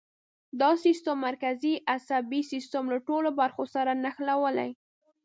دا سیستم مرکزي عصبي سیستم له ټولو برخو سره نښلوي.